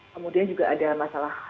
kemudian juga ada masalah